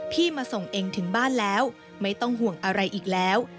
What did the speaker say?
พี่มาส่งเองถึงบ้านแล้วไม่ต้องห่วงอะไรอีกแล้ว